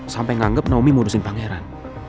sampai nganggep naomi ngurusin pangeran